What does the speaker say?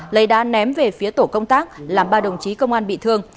lấy đá ném về phía tổ công tác làm ba đồng chí công an bị thương